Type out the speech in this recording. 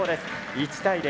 １対０。